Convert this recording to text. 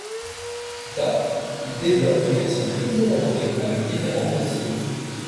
Plus tard, il développe une version plus élaborée avec différents modes solo.